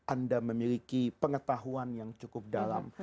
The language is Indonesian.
anda memiliki pengetahuan yang cukup dalam